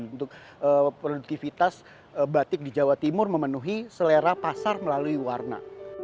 untuk produktivitas batik di jawa timur memenuhi selera pasar melalui warna